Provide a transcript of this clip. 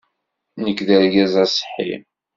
Nekk d argaz aṣeḥḥi.